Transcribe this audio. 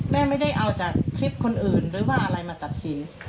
ไม่ได้เอาจากคลิปคนอื่นหรือว่าอะไรมาตัดสิน